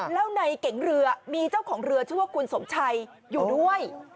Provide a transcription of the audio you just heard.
แล้วในเก๋งเรือมีเจ้าของเรือชื่อว่าคุณสมชัยอยู่ด้วย